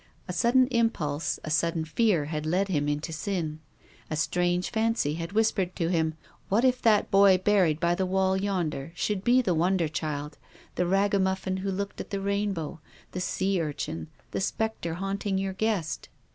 A sudden impulse, a sudden fear, had led him into sin. A strange fancy had whispered to him, "What if that boy buried by the wall yonder should be the wonder child, the ragamuffin who looked at the rainbow, the sea urchin, the spectre haunting your guest?"